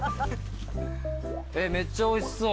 めっちゃおいしそう。